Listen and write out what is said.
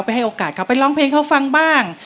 ให้โอกาสเขาไปร้องเพลงเขาฟังบ้าง